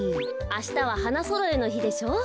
あしたは花そろえのひでしょう。